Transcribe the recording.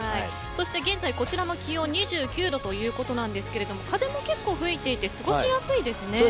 現在こちらの気温２９度ということなんですが風も結構、吹いていて過ごしやすいですね。